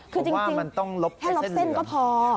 คือจริงแค่ลบเส้นก็พอ